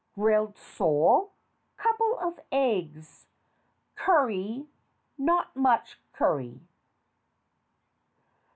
Grilled sole. Couple of eggs. Curry not much curry.